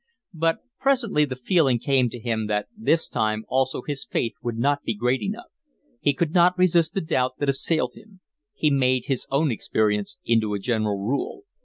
But presently the feeling came to him that this time also his faith would not be great enough. He could not resist the doubt that assailed him. He made his own experience into a general rule.